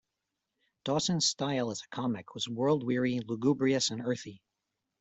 Dawson's style as a comic was world-weary, lugubrious and earthy.